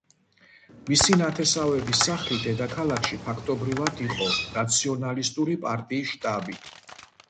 მისი ნათესავების სახლი დედაქალაქში ფაქტობრივად იყო ნაციონალისტური პარტიის შტაბი.